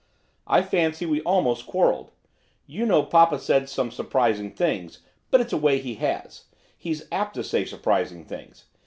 I fancy we almost quarrelled. I know papa said some surprising things, but it's a way he has, he's apt to say surprising things.